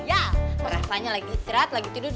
ya repanya lagi istirahat lagi tidur